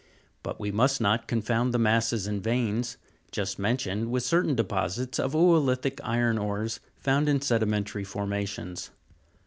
But we must not con found the masses and veins, just mentioned, with certain deposits of o'olitic iron ores found in sedimentary formations.